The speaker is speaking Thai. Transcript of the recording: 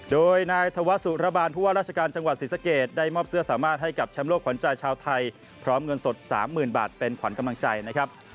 โดยนายธวสุรบาลผู้ว่าราชการจังหวัดศรีสะเกดได้มอบเสื้อสามารถให้กับแชมป์โลกขวัญใจชาวไทยพร้อมเงินสด๓๐๐๐บาทเป็นขวัญกำลังใจนะครับ